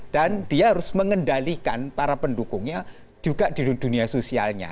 dan dia harus mengendalikan para pendukungnya juga di dunia sosialnya